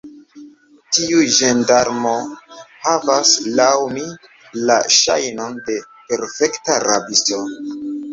Tiu ĝendarmo havas, laŭ mi, la ŝajnon de perfekta rabisto.